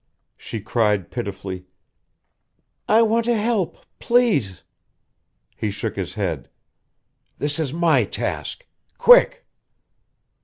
She cried pitifully: "I want to help. Please...." He shook his head. "This is my task. Quick."